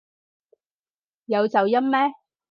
有走音咩？